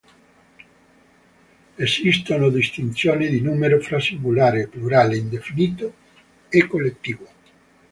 Esistono distinzioni di numero fra singolare, plurale, indefinito e collettivo.